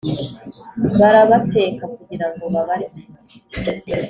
barabateka kugira ngo babarye,